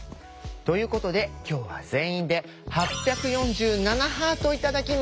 ということで今日は全員で８４７ハート頂きました。